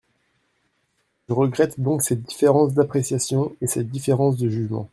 Je regrette donc cette différence d’appréciation et cette différence de jugement.